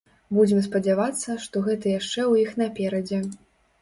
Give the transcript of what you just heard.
Будзем спадзявацца, што гэта яшчэ ў іх наперадзе!